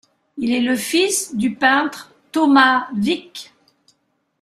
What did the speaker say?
Il est le fils du peintre Thomas Wyck.